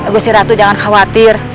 gusti ratu jangan khawatir